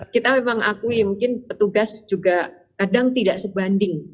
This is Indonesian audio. kita memang akui mungkin petugas juga kadang tidak sebanding